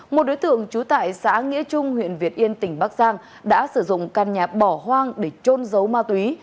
một đối tượng trú tại xã nghĩa trung huyện việt yên tỉnh bắc giang đã sử dụng căn nhà bỏ hoang để trôn giấu ma túy